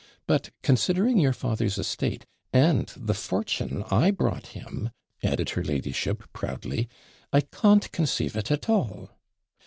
But, considering your father's estate, and the fortune I brought him,' added her ladyship, proudly, 'I CAWNT conceive it at all.